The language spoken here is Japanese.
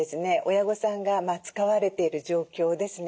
親御さんが使われている状況ですね。